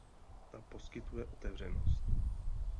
Ta poskytuje otevřenost.